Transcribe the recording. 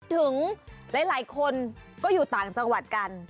หลายคนก็อยู่ต่างจังหวัดกัน